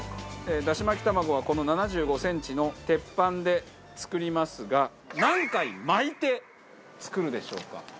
だし巻玉子はこの７５センチの鉄板で作りますが何回巻いて作るでしょうか？